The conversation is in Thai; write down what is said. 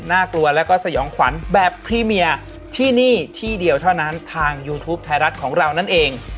กลัวแล้วก็สยองขวัญแบบพรีเมียที่นี่ที่เดียวเท่านั้นทางยูทูปไทยรัฐของเรานั่นเอง